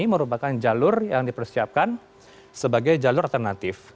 merupakan jalur yang dipersiapkan sebagai jalur alternatif